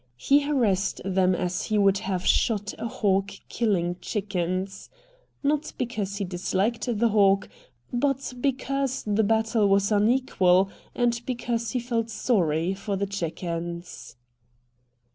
He harassed them as he would have shot a hawk killing chickens. Not because he disliked the hawk, but because the battle was unequal, and because he felt sorry for the chickens.